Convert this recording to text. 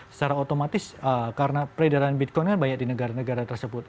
secara otomatis karena peredaran bitcoin kan banyak di negara negara tersebut